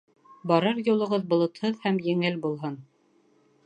Барыр юлығыҙ болотһоҙ һәм еңел булһын.